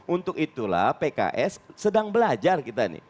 untuk itulah pks sedang belajar kita nih